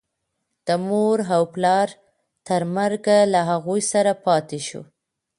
د مور و پلار تر مرګه له هغو سره پاتې شو.